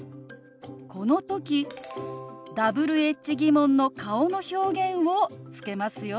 この時Ｗｈ−疑問の顔の表現をつけますよ。